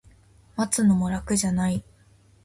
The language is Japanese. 待つのも楽じゃない